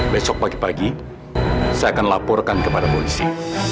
besok pagi pagi saya akan laporkan kepada polisi